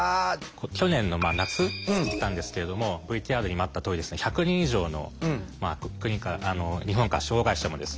去年の夏行ったんですけれどもＶＴＲにもあったとおり１００人以上の日本から障害者もですね。